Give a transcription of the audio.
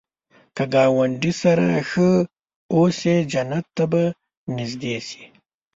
که ګاونډي سره ښه اوسې، جنت ته به نږدې شې